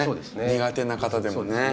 苦手な方でもね。